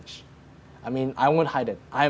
saya tidak akan menghidapkannya